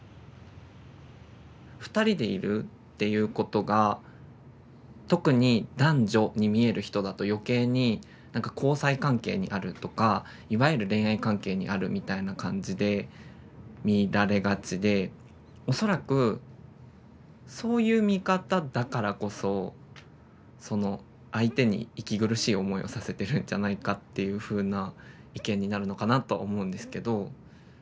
２人でいるっていうことが特に男女に見える人だと余計になんか交際関係にあるとかいわゆる恋愛関係にあるみたいな感じで見られがちで恐らくそういう見方だからこそその相手に息苦しい思いをさせてるんじゃないかっていうふうな意見になるのかなとは思うんですけど。